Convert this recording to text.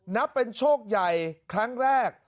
นับเป็นโชคใหญ่ครั้งแรก